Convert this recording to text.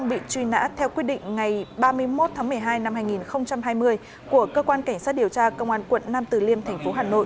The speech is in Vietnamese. bị truy nã theo quyết định vào ngày một mươi chín tháng một năm hai nghìn hai mươi ba của cơ quan kiểm soát điều tra công an tp sơn la